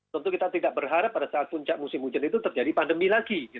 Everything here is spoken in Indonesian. tentu kita tidak berharap pada saat puncak musim hujan itu terjadi pandemi lagi